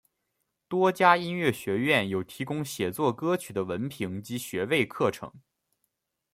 多家音乐学院有提供写作歌曲的文凭及学位课程。